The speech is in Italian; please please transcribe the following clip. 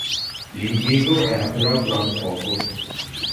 L'impiego era però durato poco.